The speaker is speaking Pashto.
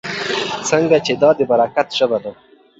ځکه چې دا د برکت ژبه ده.